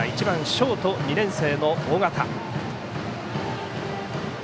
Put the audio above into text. ショート２年生の緒方。